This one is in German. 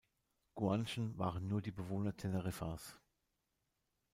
Guanchen waren nur die Bewohner Teneriffas.